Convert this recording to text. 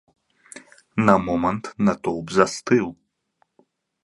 На момант натоўп застыў.